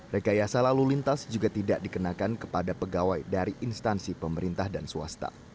rekayasa lalu lintas juga tidak dikenakan kepada pegawai dari instansi pemerintah dan swasta